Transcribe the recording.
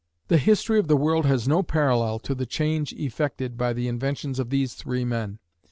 The history of the world has no parallel to the change effected by the inventions of these three men.